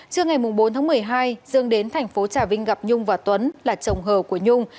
trước ngày bốn tháng một mươi hai dương đến tp trà vinh gặp nhung và tuấn là chồng hờ của nhung